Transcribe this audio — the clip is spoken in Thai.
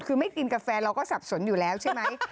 คือไม่กินกาแฟเราก็สับสนอยู่แล้วใช่ไหม